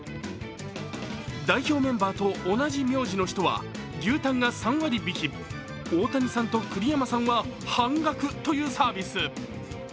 代表メンバーと同じ名字の人は牛タンが３割引、大谷さんと栗山さんは半額というサービス。